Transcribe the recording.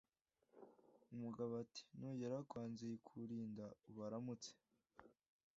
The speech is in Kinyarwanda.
Umugabo ati nugera kwa Nzikurinda ubaramutse